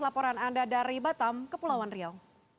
laporan anda dari batam ke pulauan riau